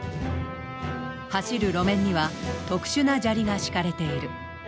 走る路面には特殊な砂利が敷かれている。